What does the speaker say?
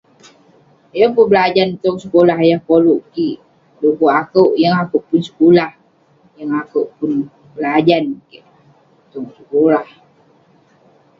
Yeng pun berajan tong sekulah yah koluk kik, dekuk akouk yeng akouk pun sekulah, yeng akouk pun berajan kek tong sekulah.